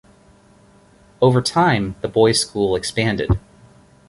Over time, the boys' school expanded.